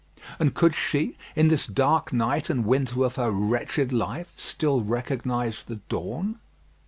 And could she, in this dark night and winter of her wretched life, still recognise the dawn?